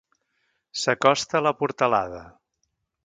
S'acosta a la portalada.